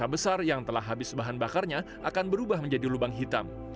masa besar yang telah habis bahan bakarnya akan berubah menjadi lubang hitam